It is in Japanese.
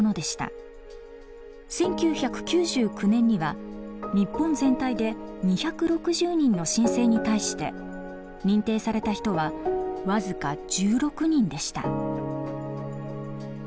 １９９９年には日本全体で２６０人の申請に対して認定された人は僅か１６人でした。